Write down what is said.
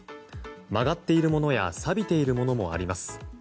曲がっているものやさびているものもあります。